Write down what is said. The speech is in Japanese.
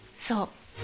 そう。